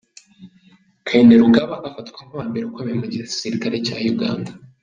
Kainerugaba afatwa nk’uwa mbere ukomeye mu gisirikare cya Uganda.